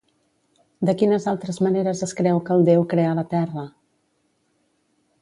De quines altres maneres es creu que el déu creà la Terra?